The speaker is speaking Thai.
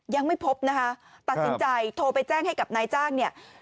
ยังไม่พบนะคะตัดสินใจโทรไปแจ้งให้กับนายจ้างเนี่ย